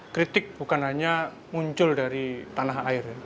kritik bukan hanya muncul dari tanah air